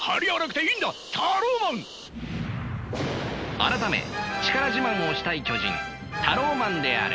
改め力自慢をしたい巨人タローマンである。